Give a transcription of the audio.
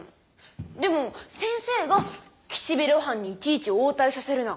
でも先生が「岸辺露伴にいちいち応対させるな。